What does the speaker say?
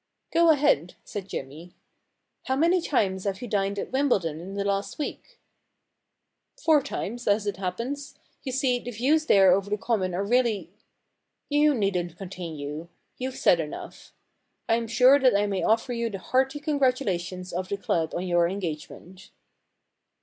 * Go ahead,' said Jimmy, * How many times have you dined at Wimbledon in the last week ?'* Four times, as it happens. You see, the views there over the Common are really You needn't continue. You've said enough. I am sure that I may offer you the hearty congratulations of the club on your engagement.'